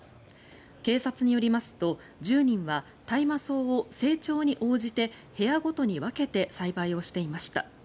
警察によりますと１０人は大麻草を成長に応じて部屋ごとに分けて栽培をしていました。